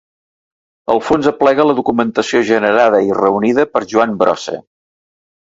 El fons aplega la documentació generada i reunida per Joan Brossa.